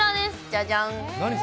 じゃじゃん。